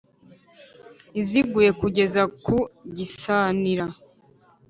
Iziguye kugeza ku gisanira